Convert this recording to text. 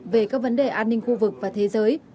về các vấn đề an ninh khu vực và thế giới